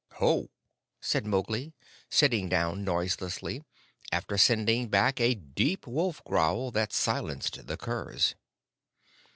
"Ho!" said Mowgli, sitting down noiselessly, after sending back a deep wolf growl that silenced the curs.